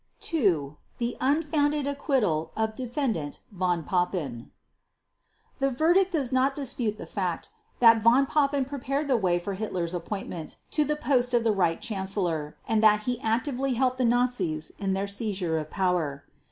II. The Unfounded Acquittal of Defendant Von Papen. The verdict does not dispute the fact that Von Papen prepared the way for Hitler's appointment to the post of the Reich Chancellor and that he actively helped the Nazis in their seizure of power.